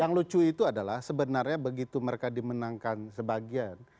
yang lucu itu adalah sebenarnya begitu mereka dimenangkan sebagian